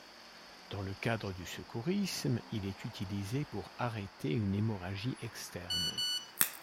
Dans le cadre du secourisme, il est utilisé pour arrêter une hémorragie externe.